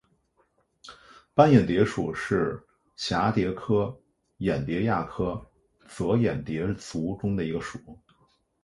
斑眼蝶属是蛱蝶科眼蝶亚科帻眼蝶族中的一个属。